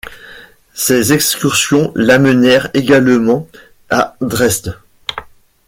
Ses excursions l’amenèrent également à Dresde.